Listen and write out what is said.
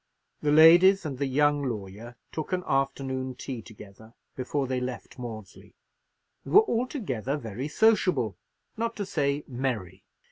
The ladies and the young lawyer took an afternoon tea together before they left Maudesley, and were altogether very sociable, not to say merry.